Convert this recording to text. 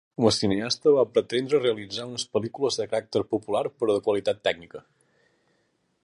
Com a cineasta va pretendre realitza unes pel·lícules de caràcter popular però de qualitat tècnica.